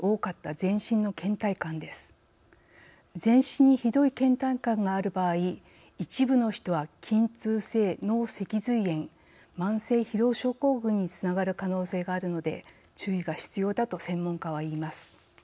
全身にひどいけん怠感がある場合一部の人は筋痛性脳脊髄炎・慢性疲労症候群につながる可能性があるので注意が必要だと専門家は言います。